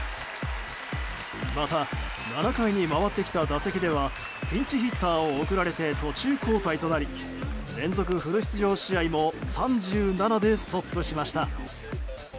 また７回に回ってきた打席ではピンチヒッターを送られて途中交代となり連続フル出場試合も３７でストップしました。